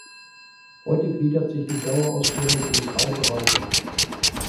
Heute gliedert sich die Dauerausstellung in drei Bereiche.